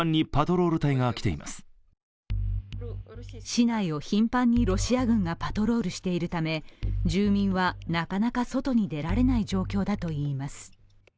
市内を頻繁にロシア軍がパトロールしているため住民は、なかなか外に出られない状況だといいます。